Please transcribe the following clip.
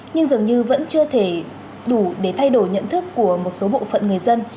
nhưng dường như vẫn chưa thể đủ để thay đổi nhận thức của một số bộ phận người dân